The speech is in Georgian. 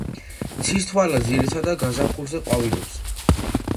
ცისთვალა ძირითადად გაზაფხულზე ყვავილობს.